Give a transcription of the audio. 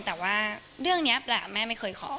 แต่ว่าเรื่องนี้ปลาแม่ไม่เคยขอ